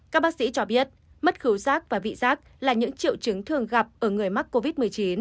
các bác sĩ cho biết mất cứu giác và vị giác là những triệu chứng thường gặp ở người mắc covid một mươi chín